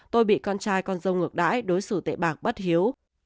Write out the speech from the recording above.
tôi bị con trai con dâu ngược đãi đối xử tệ bạc bắt hiếu